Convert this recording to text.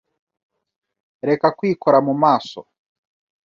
reka kwikora mu maso,